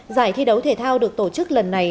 giải thi đấu thể thao được tổ chức lần này